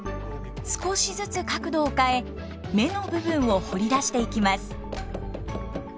少しずつ角度を変え目の部分を彫り出していきます。